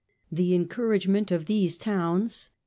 The encouragement of these towns.